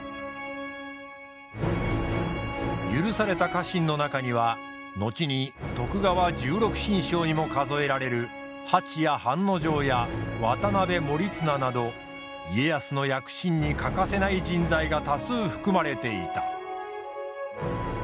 許された家臣の中には後に徳川十六神将にも数えられる蜂屋半之丞や渡辺守綱など家康の躍進に欠かせない人材が多数含まれていた。